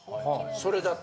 それだと？